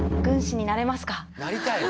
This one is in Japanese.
なりたいの？